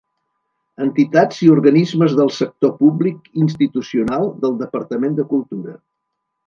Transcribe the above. Entitats i organismes del sector públic institucional del Departament de Cultura.